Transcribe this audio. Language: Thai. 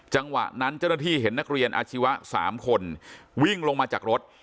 จังหวะนั้นเจ้าหน้าที่เห็นนักเรียนอาชีวะ๓คนวิ่งลงมาจากรถ